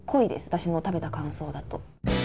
私の食べた感想だと。